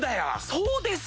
そうですよ。